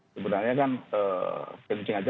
sebenarnya kan kencing aja